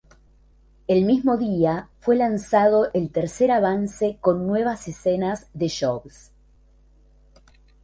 El mismo día, fue lanzado el tercer avance con nuevas escenas de "Jobs".